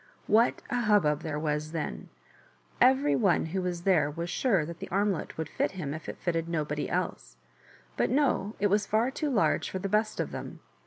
What a hubbub there was then ! Every one who was there was sure that the armlet would fit him if it fitted nobody else. But no ; it was far too large for the best of them.